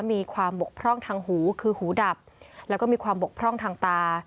มีความบกพร่องทางหูคือหูดับแล้วก็มีความบกพร่องทางตา